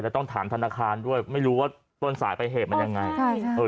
และต้องถามธนาคารด้วยไม่รู้ว่าต้นสายไปเหตุมันยังไง